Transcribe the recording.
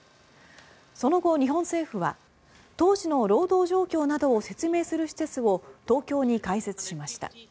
その後、日本政府は当時の労働状況などを説明する施設を東京に開設しました。